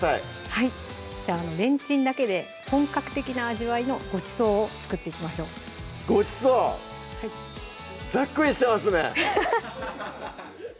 はいじゃあレンチンだけで本格的な味わいのごちそうを作っていきましょうごちそう⁉はいざっくりしてますねハハハッ